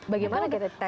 bagaimana kita tesnya